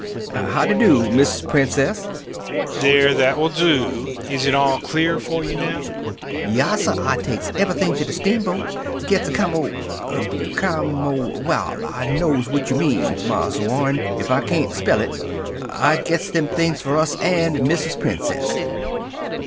Rusty bowed. "Howdy do, Mrs. Princess!" "There, that will do. Is it all clear for you now?" "Yassir. I takes everything to the steamboat gets accommo accommo wall, I knows what you means, Marse Warren, if I cain't spell it. I gets them things for us and Mrs. Princess."